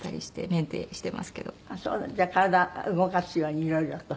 じゃあ体動かすように色々と。